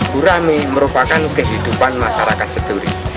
gurami merupakan kehidupan masyarakat seduri